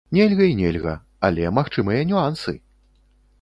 Нельга і нельга, але магчымыя нюансы!